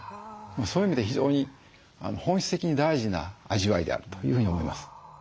そういう意味で非常に本質的に大事な味わいであるというふうに思います。